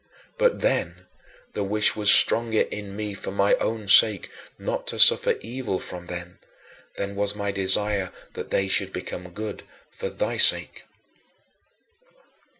But then the wish was stronger in me for my own sake not to suffer evil from them than was my desire that they should become good for thy sake.